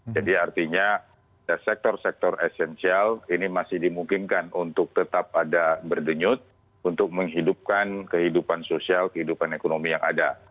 jadi artinya sektor sektor esensial ini masih dimungkinkan untuk tetap ada berdenyut untuk menghidupkan kehidupan sosial kehidupan ekonomi yang ada